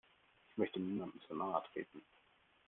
Ich möchte niemandem zu nahe treten.